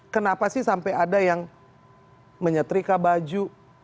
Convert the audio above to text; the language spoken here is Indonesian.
kenapa sih sampai ada yang menyetrika baju